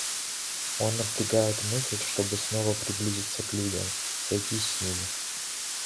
Он напрягает мысль, чтобы снова приблизиться к людям, сойтись с ними.